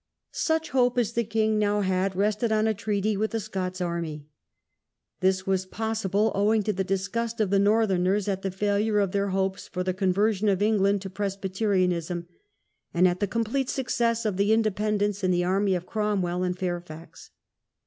Such hope as the king now had rested on a treaty with the Scots army. This was possible owing to the disgust of the Northerners at the failure of their piightofthc hopes for the conversion of England to *^"e May 1646. Presbyterianism, and at the complete success of the Independents in the army of Cromwell and Fairfax.